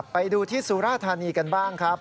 ไปดูที่สุราธานีกันบ้างครับ